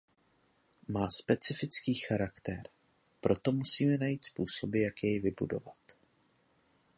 Má specifický charakter, proto musíme najít způsoby, jak jej vybudovat.